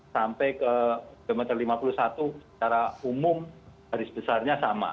sampai ke kilometer lima puluh satu secara umum aris besarnya sama